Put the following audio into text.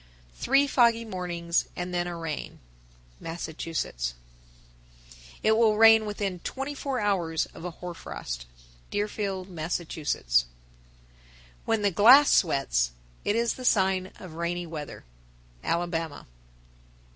_ 1014. Three foggy mornings and then a rain. Massachusetts. 1015. It will rain within twenty four hours of a hoar frost. Deerfield, Mass. 1016. When the glass sweats, it is the sign of rainy weather. _Alabama.